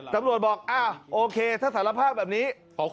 ตำรวจบอกโอเคถ้าสารภาพแบบนี้